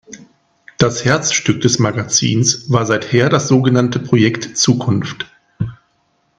Das Herzstück des Magazins war seither das so genannte "Projekt Zukunft".